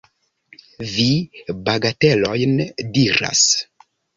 Vi bagatelojn diras.